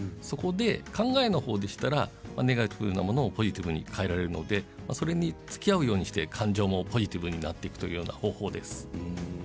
そこで考えのほうでしたらネガティブをポジティブに変えられるそれにつきあうようにして感情もポジティブになっていくという方法です。